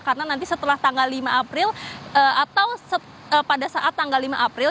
karena nanti setelah tanggal lima april atau pada saat tanggal lima april